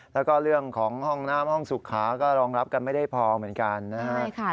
แล้วก็เรื่องของห้องน้ำห้องสุขาก็รองรับกันไม่ได้พอเหมือนกันนะครับ